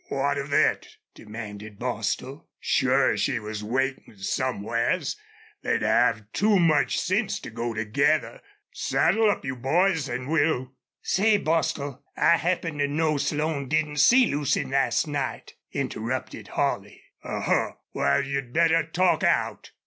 "What of thet?" demanded Bostil. "Sure she was waitin' somewheres. They'd have too much sense to go together.... Saddle up, you boys, an' we'll " "Say, Bostil, I happen to know Slone didn't see Lucy last night," interrupted Holley. "A huh! Wal, you'd better talk out."